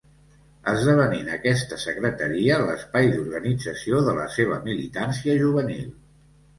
Esdevenint aquesta secretaria l'espai d'organització de la seva militància juvenil.